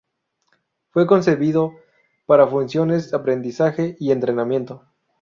Fue concebido para funciones aprendizaje y entrenamiento.